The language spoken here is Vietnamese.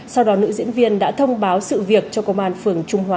sau đó nữ diễn viên đã thông báo sự việc cho công an phường trung hòa